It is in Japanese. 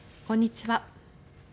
こんにちは。